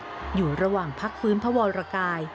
มหาภูมิภลอดุญเดตอยู่ระหว่างพักฟื้นพระวรกาย